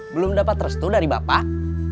belum dapat restu dari bapak